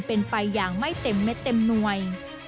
เป็นไปอย่างไม่เต็มเม็ดเต็มหน่วย